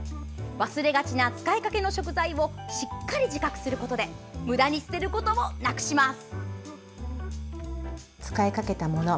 忘れがちな使いかけの食材をしっかり自覚することでむだに捨てることをなくします。